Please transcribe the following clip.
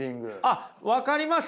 あっ分かります？